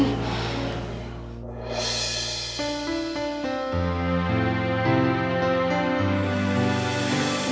ini sih pak